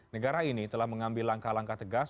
negara ini telah mengambil langkah langkah tegas